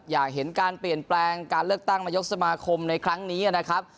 อยากเห็นการเปลี่ยนแปลงการเลือกตั้งนายกสมาคมในครั้งนี้นะครับ